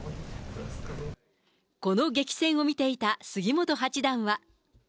この激戦を見ていた杉本八段は。